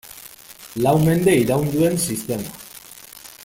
Lau mende iraun duen sistema.